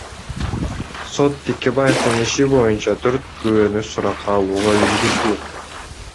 Сот Текебаевдин иши боюнча төрт күбөнү суракка алууга үлгүрдү.